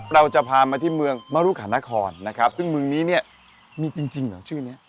เราจะพามาที่เมืองมรุหานครนะครับซึ่งเมืองนี้เนี่ยมีจริงเหรอชื่อนี้